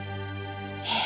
ええ。